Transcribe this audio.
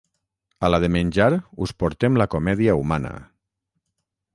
A la de menjar us portem la comèdia humana